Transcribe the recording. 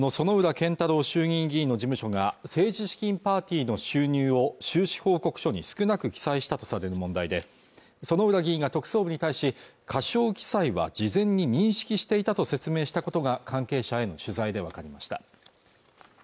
健太郎衆議院議員の事務所が政治資金パーティーの収入を収支報告書に少なく記載したとされる問題で薗浦議員が特捜部に対し過少記載は事前に認識していたと説明したことが関係者への取材で分かりました